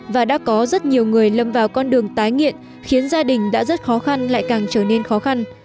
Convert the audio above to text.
và đã có rất nhiều người lâm vào con đường tái nghiện khiến gia đình đã rất khó khăn lại càng trở nên khó khăn